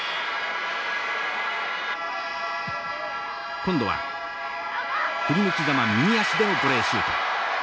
今度は振り向きざま右足でのボレーシュート。